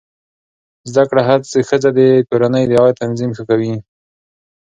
زده کړه ښځه د کورنۍ د عاید تنظیم ښه کوي.